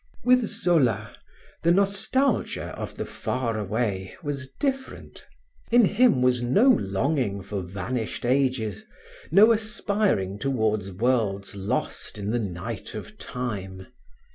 With Zola, the nostalgia of the far away was different. In him was no longing for vanished ages, no aspiring toward worlds lost in the night of time.